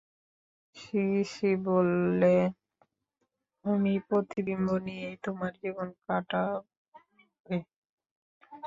CC বললে, অমি, প্রতিবিম্ব নিয়েই তোমার জীবন কাটবে।